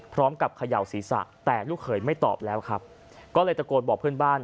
เขย่าศีรษะแต่ลูกเขยไม่ตอบแล้วครับก็เลยตะโกนบอกเพื่อนบ้าน